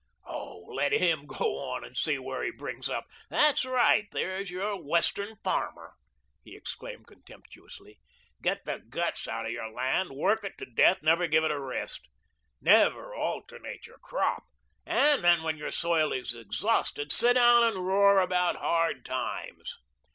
Oh, let him go on and see where he brings up. That's right, there's your Western farmer," he exclaimed contemptuously. "Get the guts out of your land; work it to death; never give it a rest. Never alternate your crop, and then when your soil is exhausted, sit down and roar about hard times."